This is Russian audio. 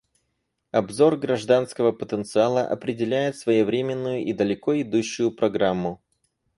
Обзор гражданского потенциала определяет своевременную и далеко идущую программу.